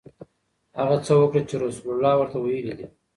هغه څه وکړه چې رسول الله ورته ویلي دي.